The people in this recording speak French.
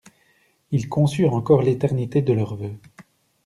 Ils conçurent encore l'éternité de leur vœu.